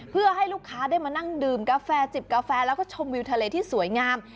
เพื่อให้ลูกค้าได้มานั่งดื่มกาแฟจิบกาแฟแล้วก็ชมวิวทะเลที่สวยงาม